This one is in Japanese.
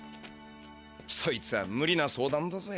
そいつはむりな相談だぜ。